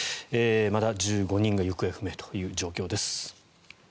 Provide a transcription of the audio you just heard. まだ、１５人が行方不明という状況です。